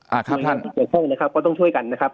และหลวยงานตัดการก็ต้องช่วยกันนะครับ